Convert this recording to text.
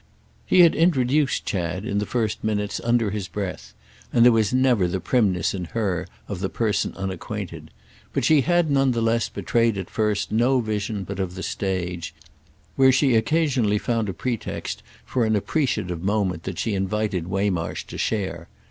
He had introduced Chad, in the first minutes, under his breath, and there was never the primness in her of the person unacquainted; but she had none the less betrayed at first no vision but of the stage, where she occasionally found a pretext for an appreciative moment that she invited Waymarsh to share.